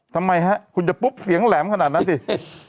ทำไมฮะคุณจะปุ๊บเสียงแหลมขนาดนั้นสิ